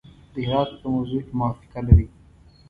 د هرات په موضوع کې موافقه لري.